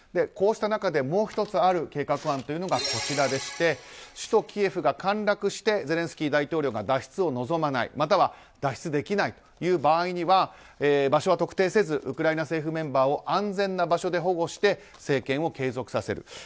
こうした中でもう１つある計画案というのが首都キエフが陥落してゼレンスキー大統領が脱出を望まないまたは脱出できないという場合には場所は特定せずウクライナ政府メンバーを安全な場所で保護して政権を継続させる